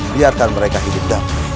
biarkan mereka hidup damai